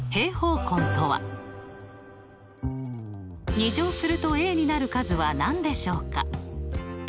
２乗するとになる数は何でしょうか？